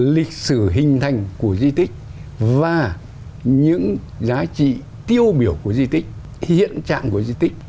lịch sử hình thành của di tích và những giá trị tiêu biểu của di tích hiện trạng của di tích